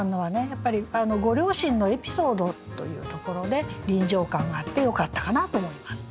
やっぱりご両親のエピソードというところで臨場感があってよかったかなと思います。